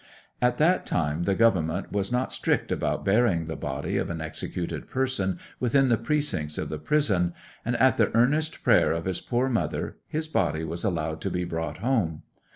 At that time the gover'ment was not strict about burying the body of an executed person within the precincts of the prison, and at the earnest prayer of his poor mother his body was allowed to be brought home.